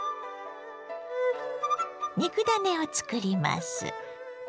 肉ダネを作ります。